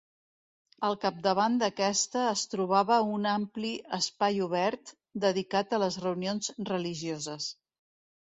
Al capdavant d'aquesta es trobava un ampli espai obert, dedicat a les reunions religioses.